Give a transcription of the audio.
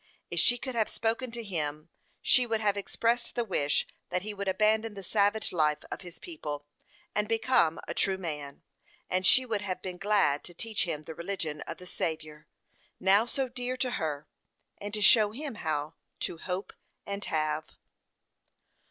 If she could have spoken to him, she would have expressed the wish that he would abandon the savage life of his people, and become a true man; and she would have been glad to teach him the religion of the Saviour, now so dear to her, and to show him how to hope and have.